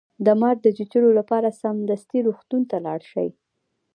د مار د چیچلو لپاره سمدستي روغتون ته لاړ شئ